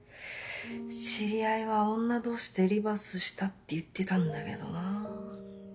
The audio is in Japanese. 知り合いは女同士でリバースしたって言ってたんだけどなぁ。